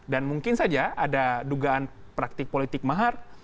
dan mungkin saja ada dugaan praktik politik mahar